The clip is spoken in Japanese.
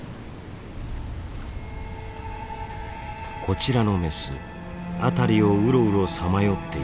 こちらのメス辺りをウロウロさまよっています。